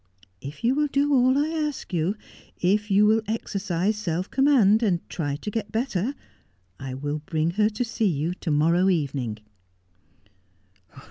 If you will do all I ask you, if you will exercise self command, and try to get better, I will bring her to see you to morrow evening.'